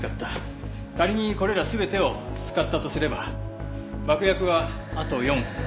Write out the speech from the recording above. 仮にこれら全てを使ったとすれば爆薬はあと４本。